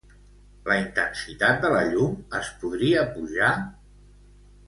La intensitat de la llum es podria pujar?